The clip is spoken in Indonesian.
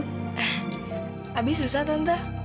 tapi susah tante